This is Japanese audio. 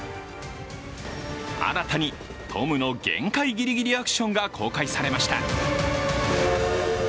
新たにトムの限界ギリギリアクションが公開されました。